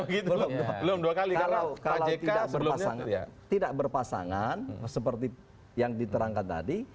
begitu belum dua kali kalau kalau tidak sebelumnya tidak berpasangan seperti yang diterangkan tadi